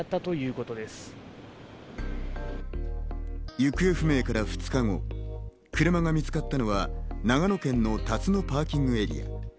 行方不明から２日後、車が見つかったのは長野県の辰野パーキングエリア。